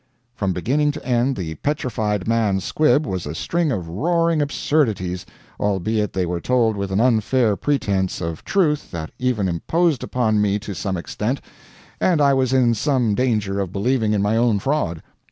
From beginning to end the "Petrified Man" squib was a string of roaring absurdities, albeit they were told with an unfair pretense of truth that even imposed upon me to some extent, and I was in some danger of believing in my own fraud.